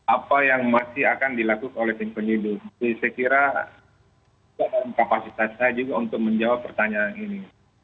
apa yang masih akan dilakukan oleh tim penyidik saya kira dalam kapasitas saya juga untuk menjawab pertanyaan ini